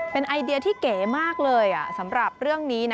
เป็นไอเดียที่เก๋มากเลยสำหรับเรื่องนี้นะ